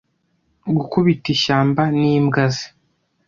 gukubita ishyamba n'imbwa ze